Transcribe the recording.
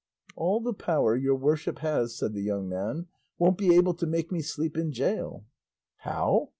"All the power your worship has," said the young man, "won't be able to make me sleep in gaol." "How?